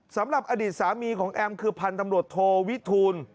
สำหรับอดีตสามีของแอมคือพันธุ์ตำรวจโทวิทูล